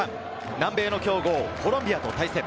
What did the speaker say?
南米の強豪・コロンビアと対戦。